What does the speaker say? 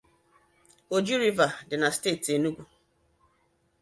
Oji River" dị na steeti Enugu